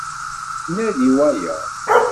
Nadi wayeḍ.